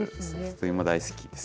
里芋大好きです。